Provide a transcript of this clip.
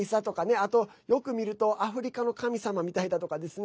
あと、よく見るとアフリカの神様みたいだとかですね